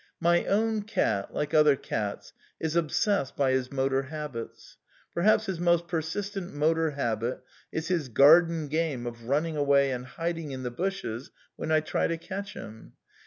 My own cat, like other cats, is obsessed by his motor habits. Perhaps his most persistent motor habit is his garden game of running away and hiding in the bushes when I try to catch him.